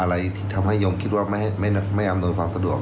อะไรที่ทำให้ยมคิดว่าไม่อำนวยความสะดวก